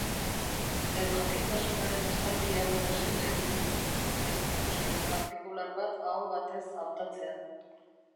Ezjakintasunaren estalkiak posible egiten du justiziaren ikuskera partikular bat aho batez hautatzea.